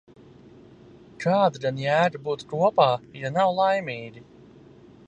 Kāda gan jēga būt kopā, ja nav laimīgi?